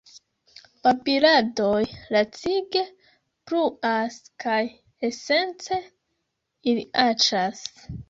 Babiladoj lacige bruas, kaj esence, ili aĉas.